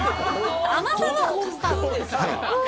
甘さがカスタード。